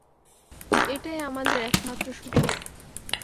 এটাই আমাদের একমাত্র সুযোগ!